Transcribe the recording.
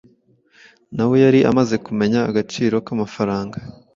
nawe yari amaze kumenya agaciro k’amafaranga,